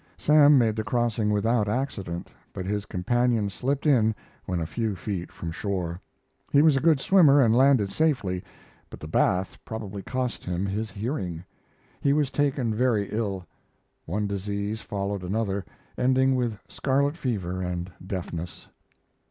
Sam made the crossing without accident, but his companion slipped in when a few feet from shore. He was a good swimmer and landed safely, but the bath probably cost him his hearing. He was taken very ill. One disease followed another, ending with scarlet fever and deafness.